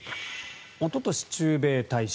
おととし、駐米大使